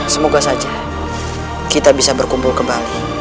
semoga saja kita bisa berkumpul kembali